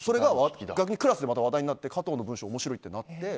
それがクラスで話題になって加藤の文章が面白いってなって。